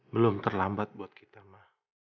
belum terlambat buat kita mah